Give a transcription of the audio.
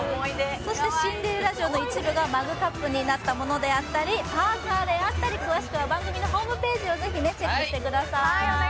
シンデレラ城の一部がマグカップになったものであったり、パーカーであったり、詳しくは番組のホームページをチェックしてください。